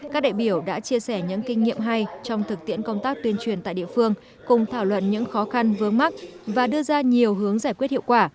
các đại biểu đã chia sẻ những kinh nghiệm hay trong thực tiễn công tác tuyên truyền tại địa phương cùng thảo luận những khó khăn vướng mắt và đưa ra nhiều hướng giải quyết hiệu quả